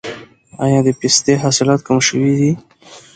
آیا د پستې حاصلات کم شوي دي؟